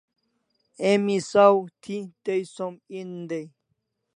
Emi saw thi Tay som en day